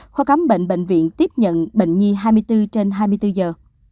khoa khám bệnh bệnh viện tiếp nhận bệnh nhi hai mươi bốn trên hai mươi bốn giờ